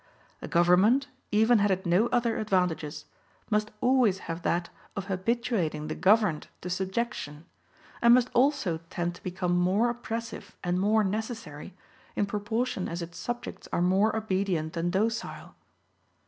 A government, even had it no other advantages, must always have that of habituating the governed to subjection, and must also tend to become more oppressive and more necessary, in proportion as its subjects are more obedient and docile.